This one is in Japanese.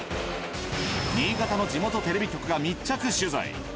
新潟の地元テレビ局が密着取材。